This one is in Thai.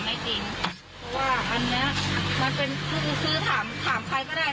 ไม่จริงเพราะว่าอันเนี้ยมันเป็นคือคือถามถามใครก็ได้